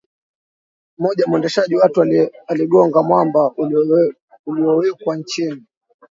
mmoja mwendeshaji wetu aligonga mwamba uliowekwa chini